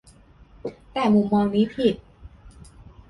แต่มุมมองนี้ผิด